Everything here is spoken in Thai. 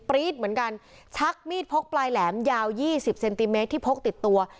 รี๊ดเหมือนกันชักมีดพกปลายแหลมยาวยี่สิบเซนติเมตรที่พกติดตัว